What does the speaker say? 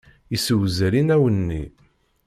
Yessewzel inaw-nni.